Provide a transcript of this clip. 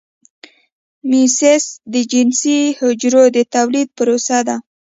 میوسیس د جنسي حجرو د تولید پروسه ده